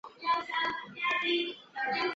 燥原荠为十字花科燥原荠属下的一个种。